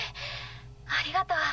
ありがとう。